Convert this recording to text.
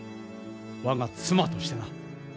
我が妻としてな。